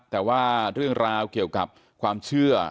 แต่ว่าเรื่องราวเกี่ยวกับความเชื่อ